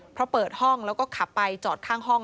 เพราะเปิดห้องแล้วก็ขับไปจอดข้างห้อง